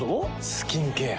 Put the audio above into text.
スキンケア。